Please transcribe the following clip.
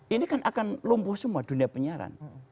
ini kan akan lumpuh semua dunia penyiaran